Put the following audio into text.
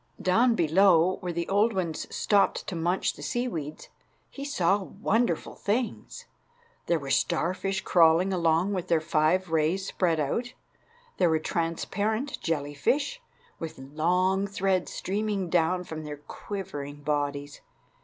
Down below, where the old ones stopped to munch the seaweeds, he saw wonderful things. There were starfish crawling along with their five rays spread out. There were transparent jellyfishes, with long threads streaming down from their quivering bodies.